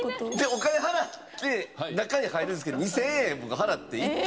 お金払って中に入るんですけど２０００円僕払って行った。